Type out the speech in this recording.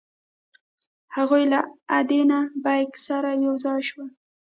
هغوی له ادینه بېګ سره یو ځای شول.